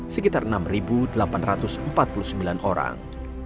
sekitar enam delapan ratus empat puluh sembilan orang